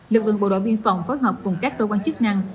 lực lượng bộ đội biên phòng phối hợp cùng các cơ quan chức năng